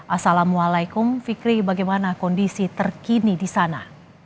assalamualaikum fikri bagaimana kondisi terkini di sana